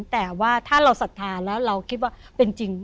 แต่ว่าถ้าเราศรัทธาแล้วเราคิดว่าเป็นจริง